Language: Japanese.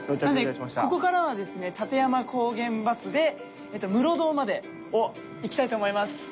なのでここからはですね立山高原バスで室堂まで行きたいと思います。